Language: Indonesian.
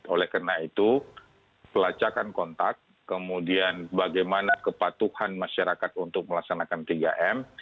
oleh karena itu pelacakan kontak kemudian bagaimana kepatuhan masyarakat untuk melaksanakan tiga m